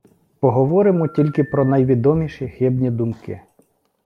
Поговоримо тільки про найвідоміші хибні думки.